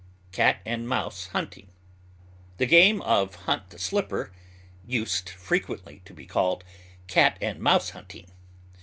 CAT AND MOUSE HUNTING. The game of "Hunt the Slipper" used frequently to be called "Cat and Mouse hunting."